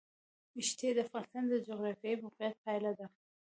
ښتې د افغانستان د جغرافیایي موقیعت پایله ده.